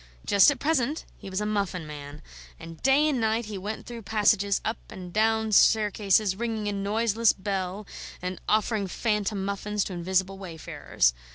Just at present he was a muffin man, and day and night he went through passages and up and down staircases, ringing a noiseless bell and offering phantom muffins to invisible wayfarers.